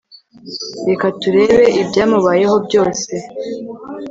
Reka turebe ibyamubayeho byose